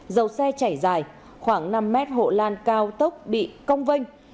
dầu xe chảy dài khoảng năm m hộ lan cao tốc bị công vinh